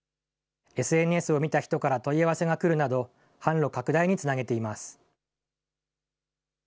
ＳＮＳを見た人から問い合わせが来るなど、販路拡大につなげています。